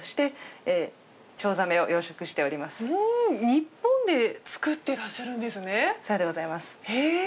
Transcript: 日本で作っていらっしゃるんですね。